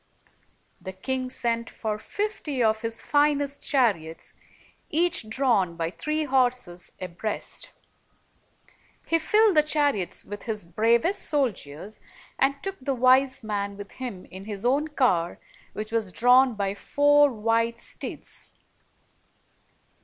The king sent for fifty of his finest chariots, each drawn by three horses abreast. He filled the chariots with his bravest soldiers, and took the wise man with him in his own car, which was drawn by four white steeds.